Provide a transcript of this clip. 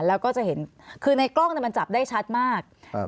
แล้วก็จะเห็นคือในกล้องเนี่ยมันจับได้ชัดมากครับ